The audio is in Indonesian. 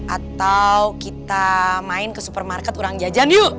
atau kita main ke supermarket kurang jajan yuk